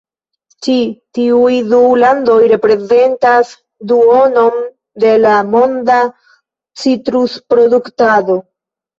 Ĉi tiuj du landoj reprezentas duonon de la monda citrusproduktado.